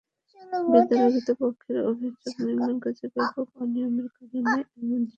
বিদ্যালয় কর্তৃপক্ষের অভিযোগ, নির্মাণকাজে ব্যাপক অনিয়মের কারণেই এমন জীর্ণ দশা ভবনের।